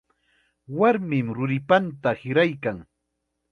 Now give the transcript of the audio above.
Warmim ruripanta hiraykan.